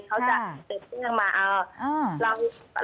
เขาจะเต็มขึ้นมา